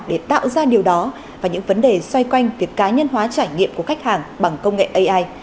để tạo ra điều đó và những vấn đề xoay quanh việc cá nhân hóa trải nghiệm của khách hàng bằng công nghệ ai